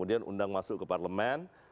kemudian undang masuk ke parlemen